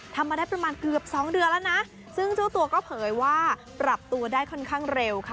ทำมาได้ประมาณเกือบสองเดือนแล้วนะซึ่งเจ้าตัวก็เผยว่าปรับตัวได้ค่อนข้างเร็วค่ะ